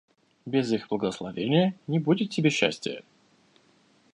Без их благословения не будет тебе счастия.